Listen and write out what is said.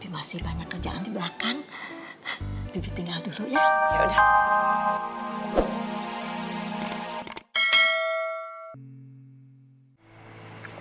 masih banyak kerjaan di belakang tinggal dulu ya